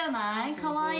かわいい。